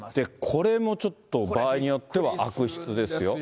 これもちょっと場合によっては悪質ですよ。